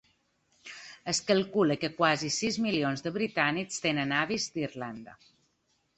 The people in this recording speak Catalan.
Es calcula que quasi sis milions de britànics tenen avis d’Irlanda.